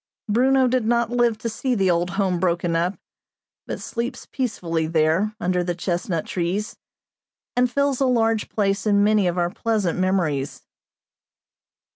Bruno did not live to see the old home broken up, but sleeps peacefully there, under the chestnut trees, and fills a large place in many of our pleasant memories.